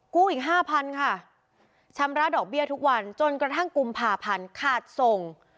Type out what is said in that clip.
อีกห้าพันค่ะชำระดอกเบี้ยทุกวันจนกระทั่งกุมภาพันธ์ขาดส่ง